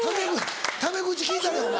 タメ口利いたれお前。